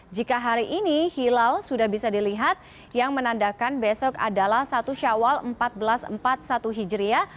jika hari ini hilal sudah bisa dilihat yang menandakan besok adalah satu syawal seribu empat ratus empat puluh satu hijriah